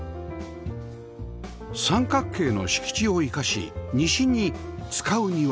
三角形の敷地を生かし西に「使う庭」